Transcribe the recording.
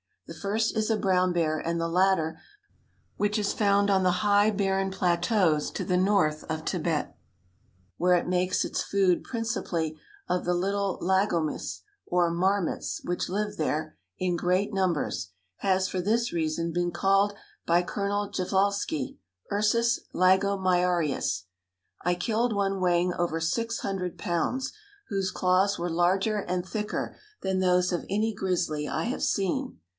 The first is a brown bear, and the latter, which is found on the high barren plateaus to the north of Tibet, where it makes its food principally of the little lagomys or marmots, which live there in great numbers, has for this reason been called by Colonel Prjevalsky Ursus lagomyarius. I killed one weighing over 600 pounds, whose claws were larger and thicker than those of any grizzly I have seen.